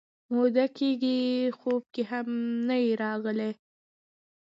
موده کېږي خوب کې هم نه یې راغلی